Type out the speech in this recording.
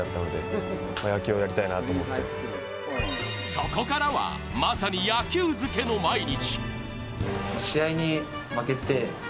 そこからは、まさに野球漬けの毎日。